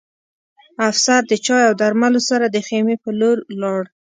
افسر د چای او درملو سره د خیمې په لور لاړ